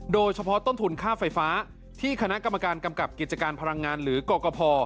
โดยเฉพาะต้นทุนค่าไฟฟ้าที่คณะกรรมการกำกับกิจการพลังงานหรือกรกภ